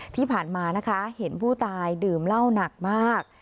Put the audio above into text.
ที่ผ่านมานะคะเห็นผู้ตายดื่มเหล้าหนักมาก